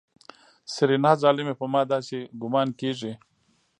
سېرېنا ظالمې په ما داسې ګومان کېږي.